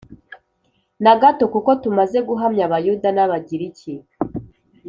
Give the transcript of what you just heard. na gato Kuko tumaze guhamya Abayuda n Abagiriki